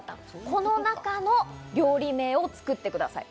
この中の料理名を作ってください。